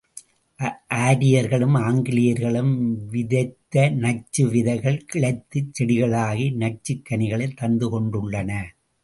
ஆரியர்களும் ஆங்கிலேயர்களும் விதைத்த நச்சு விதைகள் கிளைத்துச் செடிகளாகி நச்சுக் கனிகளைத் தந்து கொண்டுள்ளன.